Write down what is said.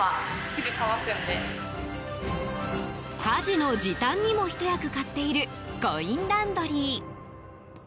家事の時短にもひと役買っているコインランドリー。